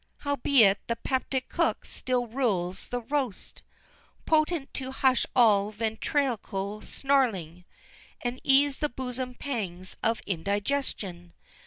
Howbeit the Peptic Cook still rules the roast, Potent to hush all ventriloquial snarling, And ease the bosom pangs of indigestion!